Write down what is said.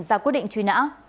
ra quyết định truy nã